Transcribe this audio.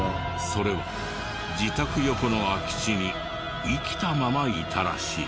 それは自宅横の空き地に生きたままいたらしい。